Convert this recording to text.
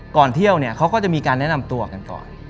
ก่อนเที่ยวเนี่ยเขาก็จะมีการแนะนำตัวกันก่อน